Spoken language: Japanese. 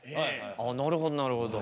ああなるほどなるほど。